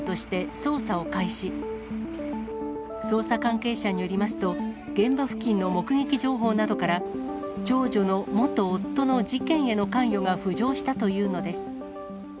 捜査関係者によりますと、現場付近の目撃情報などから、長女の元夫の事件への関与が浮上したというのです。